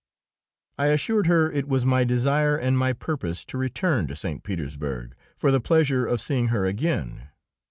I assured her it was my desire and my purpose to return to St. Petersburg for the pleasure of seeing her again.